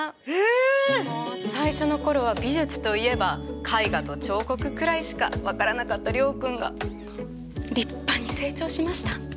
もう最初の頃は美術といえば絵画と彫刻くらいしか分からなかった諒君が立派に成長しました。